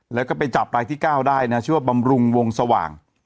แล้วก็ไปจับรายที่๙ได้นะชื่อว่าบำรุงวงสว่าง